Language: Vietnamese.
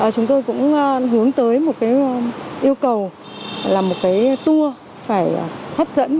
chúng tôi cũng hướng tới một yêu cầu là một tour phải hấp dẫn